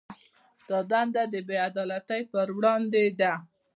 دا دنده د بې عدالتۍ پر وړاندې ده.